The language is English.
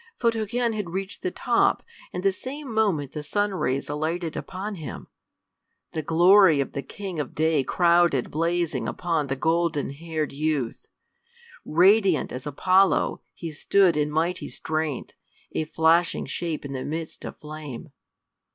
Photogen had reached the top, and the same moment the sun rays alighted upon him: the glory of the king of day crowded blazing upon the golden haired youth. Radiant as Apollo, he stood in mighty strength, a flashing shape in the midst of flame.